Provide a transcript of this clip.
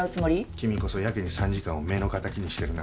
君こそやけに参事官を目の敵にしてるな。